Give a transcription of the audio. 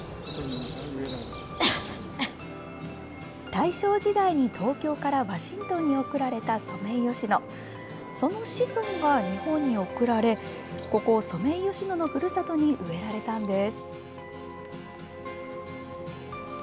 大正時代に東京からワシントンに送られたソメイヨシノ、その子孫が日本に贈られ、ここ、ソメイヨシノのふるさとに植えられたんです。